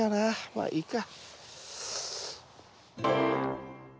まあいいか。